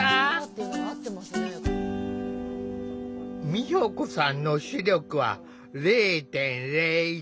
美保子さんの視力は０．０１。